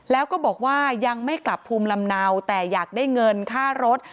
แล้วก็บอกว่ายังไม่กลับภูมิลำเนาแต่อยากได้เงินค่ารถ